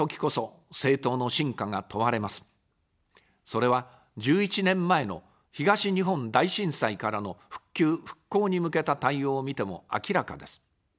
それは、１１年前の東日本大震災からの復旧・復興に向けた対応を見ても明らかです。